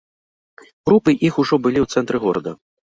Групы іх ужо былі ў цэнтры горада.